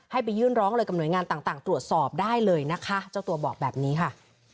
ไปยื่นร้องเลยกับหน่วยงานต่างตรวจสอบได้เลยนะคะเจ้าตัวบอกแบบนี้ค่ะ